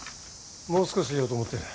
もう少しいようと思ってる。